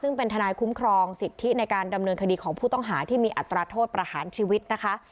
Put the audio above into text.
ซึ่งเป็นทนายคุ้มครองสิทธิในการดำเนินคดีของผู้ต้องหาที่มีอัตราโทษประหารชีวิตนะคะ